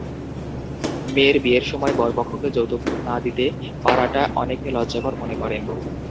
মেয়ের বিয়ের সময় বরপক্ষকে যৌতুক না দিতে পারাটা অনেকে লজ্জাকর মনে করেন।